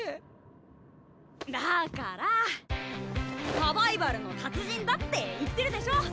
だからサバイバルの達人だって言ってるでしょ！